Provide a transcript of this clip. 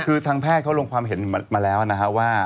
คือทางแพทย์เขาลงความเห็นมาแล้วนะฮะว่า